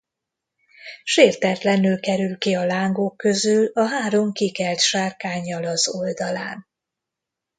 Sértetlenül kerül ki a lángok közül a három kikelt sárkánnyal az oldalán.